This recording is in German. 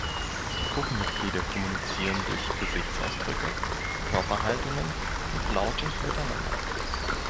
Die Gruppenmitglieder kommunizieren durch Gesichtsausdrücke, Körperhaltungen und Laute miteinander.